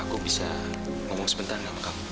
aku bisa ngomong sebentar gak sama kamu